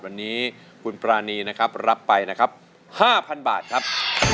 วันนี้คุณปรานีนะครับรับไปนะครับ๕๐๐บาทครับ